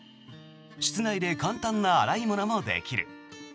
室内で簡単な洗い物もできる。